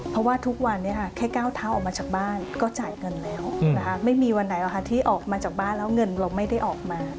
เพราะว่าทุกวันนี้แค่ก้าวเท้าออกมาจากบ้านก็จ่ายเงินแล้วไม่มีวันไหนที่ออกมาจากบ้านแล้วเงินเราไม่ได้ออกมา